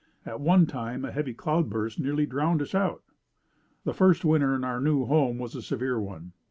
At one time a heavy cloud burst nearly drowned us out. The first winter in our new home was a severe one.